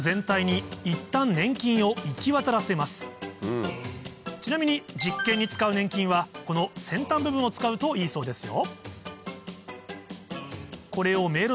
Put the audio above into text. まずちなみに実験に使う粘菌はこの先端部分を使うといいそうですよ